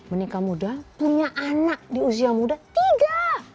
menikah muda punya anak di usia muda tiga